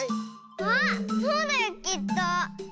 あそうだよきっと！